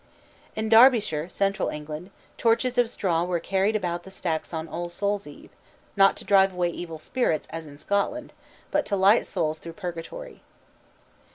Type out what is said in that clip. In Derbyshire, central England, torches of straw were carried about the stacks on All Souls' Eve, not to drive away evil spirits, as in Scotland, but to light souls through Purgatory.